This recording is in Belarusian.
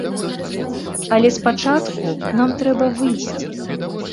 Але спачатку нам трэба выйсці!